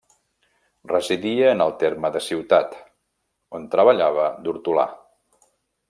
Residia en el terme de Ciutat, on treballava d'hortolà.